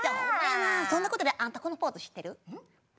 そんなことよりあんたこのポーズ知ってる？